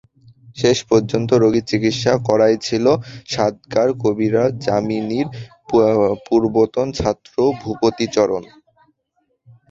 শেষপর্যন্ত রোগীর চিকিৎসা করিয়াছিল সাতগার কবিরাজ যামিনীর পূর্বতন ছাত্র ভূপতিচরণ।